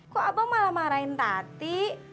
kok abang malah marahin tati